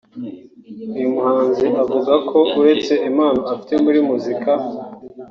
uyu muhanzi avuga ko uretse impano afite muri muzika